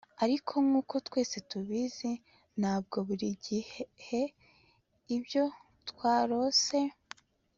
ariko nkuko twese tubizi, ntabwo buri gihe ibyo twarose